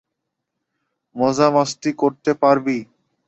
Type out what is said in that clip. মজা মাস্তি করতে পারবি!